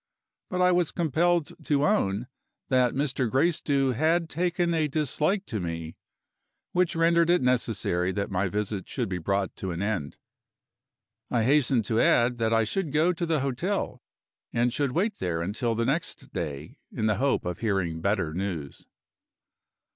But I was compelled to own that Mr. Gracedieu had taken a dislike to me, which rendered it necessary that my visit should be brought to an end. I hastened to add that I should go to the hotel, and should wait there until the next day, in the hope of hearing better news.